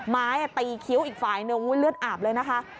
ไม้ตีคิ้วอีกฝ่ายนึงเลือดอาบเลยนะคะ